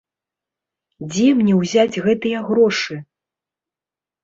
Дзе мне ўзяць гэтыя грошы?